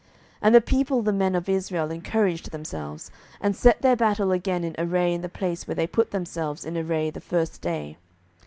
07:020:022 And the people the men of Israel encouraged themselves, and set their battle again in array in the place where they put themselves in array the first day.